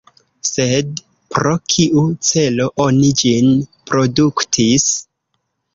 Sed pro kiu celo oni ĝin produktis?